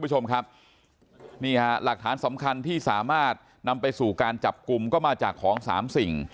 หลักฐานสำคัญที่สามารถนำไปสู่การจับกลุ่มก็มาจากของ๓สิ่ง